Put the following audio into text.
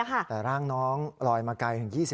ป้าของน้องธันวาผู้ชมข่าวอ่อน